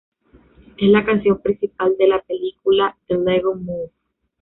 Es la canción principal de la película "The Lego Movie".